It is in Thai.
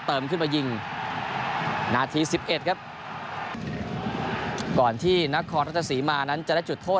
เติมขึ้นมายิงนาทีสิบเอ็ดครับก่อนที่นครราชสีมานั้นจะได้จุดโทษ